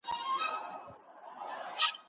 هیواد چلونه د ډیرو هڅو پایله ده.